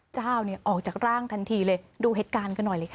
เจ้าเนี่ยออกจากร่างทันทีเลยดูเหตุการณ์กันหน่อยเลยค่ะ